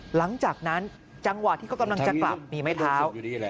หลังจากนั้นจังหวะที่เขากำลังจะกลับมีไม้เท้า